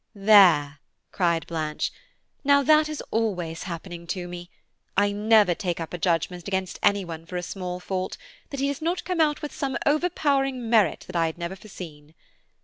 "There," cried Blanche, "now that is always happening to me; I never take up a judgment against any one for a small fault, that he does not come out with some overpowering merit that I had never foreseen.